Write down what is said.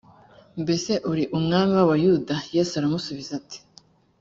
mbese uri umwamik w abayahudi yesu aramusubiza ati